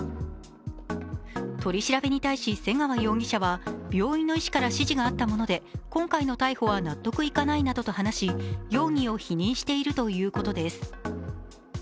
取り調べに対し瀬川容疑者は病院の医師から指示があったもので今回の逮捕は納得いかないなどと話し、容疑を否認しているということです。